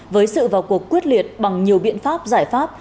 với sự vào cuộc quyết liệt bằng nhiều biện pháp giải pháp